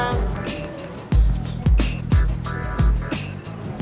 kau mau cari kerindungan